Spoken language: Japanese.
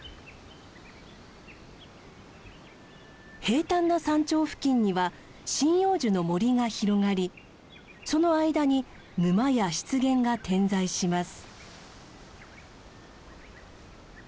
平たんな山頂付近には針葉樹の森が広がりその間に沼や湿原が点在します。